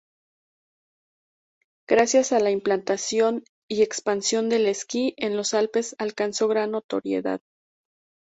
Gracias a la implantación y expansión del esquí en los Alpes alcanzó gran notoriedad.